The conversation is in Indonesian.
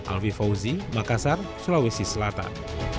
alvi fauzi makassar sulawesi selatan